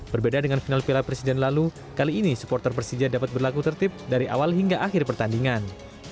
berbeda dengan final piala presiden lalu kali ini supporter persija dapat berlaku tertib dari awal hingga akhir pertandingan